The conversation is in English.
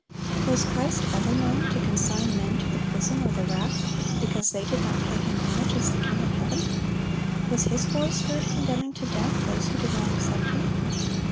Was Christ ever known to consign men to the prison or the rack because they did not pay Him homage as the King of heaven? Was His voice heard condemning to death those who did not accept Him?